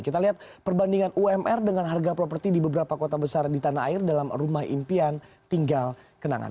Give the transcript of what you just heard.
kita lihat perbandingan umr dengan harga properti di beberapa kota besar di tanah air dalam rumah impian tinggal kenangan